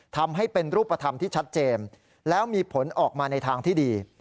ทำให้เป็นรูปธรรมที่ชัดเจนแล้วมีผลออกมาในทางที่ดี